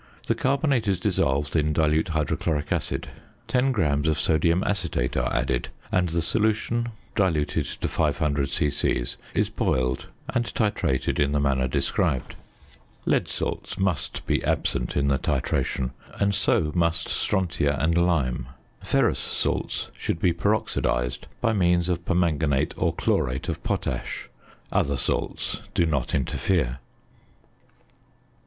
The carbonate is dissolved in dilute hydrochloric acid. Ten grams of sodium acetate are added, and the solution, diluted to 500 c.c., is boiled, and titrated in the manner described. Lead salts must be absent in the titration, and so must strontia and lime. Ferrous salts should be peroxidised by means of permanganate or chlorate of potash. Other salts do not interfere.